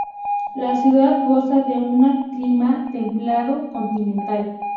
La ciudad goza de una clima templado-continental.